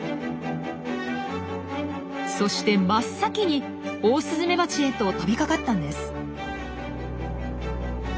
そして真っ先にオオスズメバチへと飛びかかったんです。